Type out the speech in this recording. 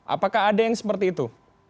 apakah ada yang seperti itu